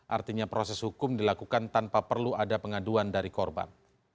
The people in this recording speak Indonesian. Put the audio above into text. artinya proses hukum dilakukan tanpa perlu ada pengaduan dari korban